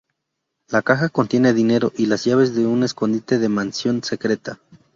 La caja contiene dinero y las llaves de un escondite de mansión secreta.